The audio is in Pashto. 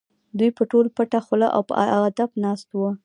دوی به ټول پټه خوله او په ادب ناست وو.